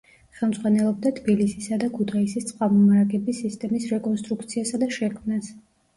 ხელმძღვანელობდა თბილისისა და ქუთაისის წყალმომარაგების სისტემის რეკონსტრუქციასა და შექმნას.